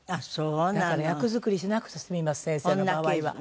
だから役作りしなくて済みます先生の場合は。